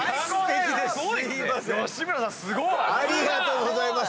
ありがとうございます。